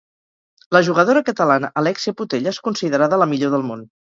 La jugadora catalana Alexia Putellas considerada la millor del món